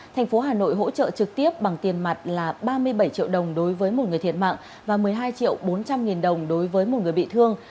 thành phố hà nội hỗ trợ trực tiếp bằng tiền mặt là ba mươi bảy triệu đồng đối với một người thiệt mạng và một mươi hai triệu bốn trăm linh nghìn đồng đối với một người bị thương